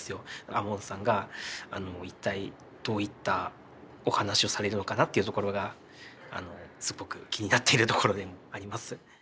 亞門さんが一体どういったお話をされるのかなというところがすごく気になっているところでもありますね。